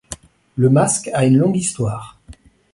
Le masque a une longue histoire.